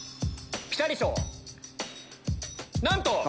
ピタリ賞なんと。